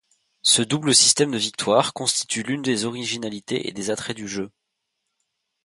Ce double système de victoire constitue l'une des originalités et des attraits du jeu.